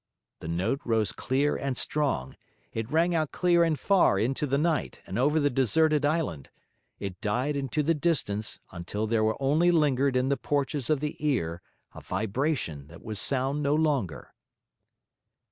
The note rose clear and strong; it rang out clear and far into the night and over the deserted island; it died into the distance until there only lingered in the porches of the ear a vibration that was sound no longer.